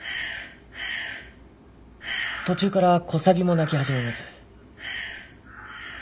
途中からコサギも鳴き始めます。